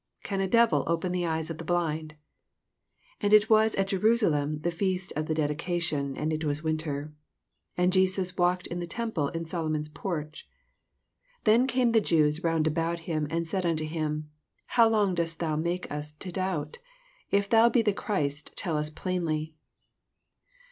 Can a devil open the eyes of the blind 7 22 And it was at Jerusalem the feast of the dedioationi and it was winter. 23 And Jesns walked in the temple in Solomon's poroh. 24 Then eame the Jews round about him, and said unto him, How long dost thou make us to doubt 7 If thou be the Ghriit, tell us plainly.